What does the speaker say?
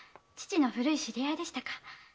父の古い知り合いでしたか。